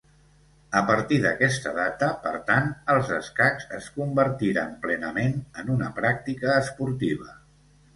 A partir d'aquesta data, per tant, els escacs es convertiren plenament en una pràctica esportiva.